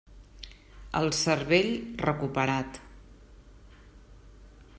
El cervell recuperat.